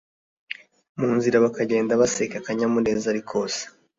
Munzira bagenda baseka akanyamuneza ari kose